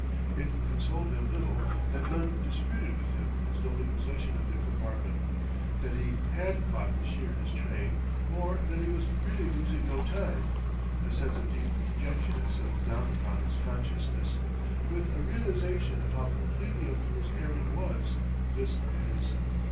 It consoled him little that none disputed with him his lonely possession of the compartment, that he had caught the Sheerness train, or that he was really losing no time; a sense of deep dejection had settled down upon his consciousness, with a realization of how completely a fool's errand was this of his.